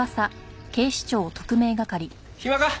暇か？